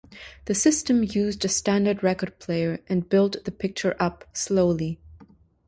The system used a standard record player, and built the picture up slowly.